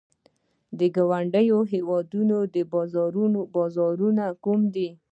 د ګاونډیو هیوادونو بازارونه کوم دي؟